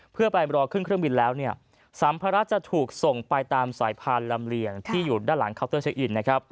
เพื่อไปรอขึ้นเครื่องบินแล้วสัมภาระจะถูกส่งไปตามสายพานลำเลียงที่อยู่ด้านหลังเคาน์เตอร์เช็คอินนะครับ